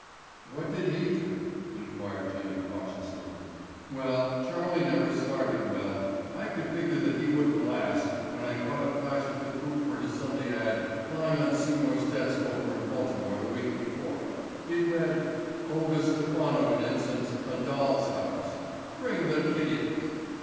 "What did he do?" inquired Jimmy cautiously. "Well, Charlie never started well. I could figure that he wouldn't last when I caught a flash of the proof for his Sunday ad lying on Seymour's desk over in Baltimore the week before. It read, "Olga Stephano in Ibsen's, 'A Doll's House'—Bring the Kiddies."